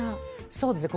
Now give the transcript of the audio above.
そうですね